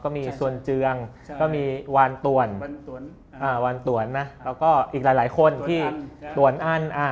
มีส่วนเจืองก็มีวานตวนวานตวนนะแล้วก็อีกหลายคนที่ตวนอั้น